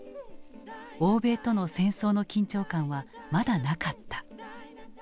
欧米との戦争の緊張感はまだなかった。